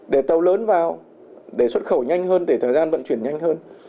để tàu lớn vào để xuất khẩu nhanh hơn để thời gian vận chuyển nhanh hơn